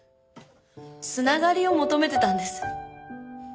繋がりを求めてたんです。